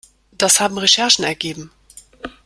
Das haben Recherchen ergeben.